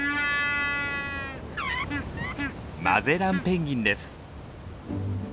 マゼランペンギンです。